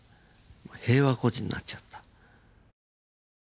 平和孤児になっちゃった。